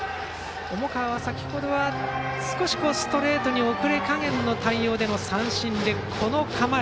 重川は先程は少しストレートに遅れ加減の対応での三振で、バントの構え。